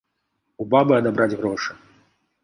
У бабы адабраць грошы.